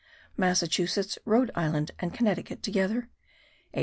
Massachusetts, Rhode Island, and Connecticut, together : 840.